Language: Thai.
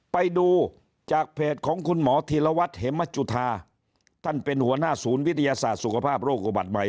ไปดูจากเพจของคุณหมอธีรวัตรเหมจุธาท่านเป็นหัวหน้าศูนย์วิทยาศาสตร์สุขภาพโรคอุบัติใหม่